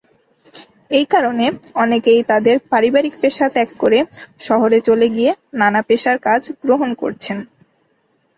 এই কারণে অনেকেই তাদের পারিবারিক পেশা ত্যাগ করে শহরে চলে গিয়ে নানা পেশার কাজ গ্রহণ করছেন।